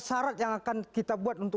syarat yang akan kita buat untuk